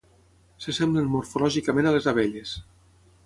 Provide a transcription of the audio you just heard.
Se semblen morfològicament a les abelles.